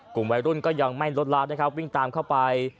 กลุ่มวัยรุ่นก็ยังไม่ลดร้านนะครับวิ่งตามเข้าไป